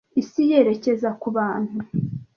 Isi yerekeza ku bantu